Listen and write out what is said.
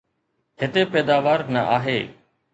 هتي پيداوار نه آهي؟